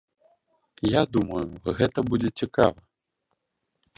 Я думаю, гэта будзе цікава.